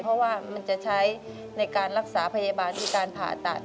เพราะว่ามันจะใช้ในการรักษาพยาบาลคือการผ่าตัด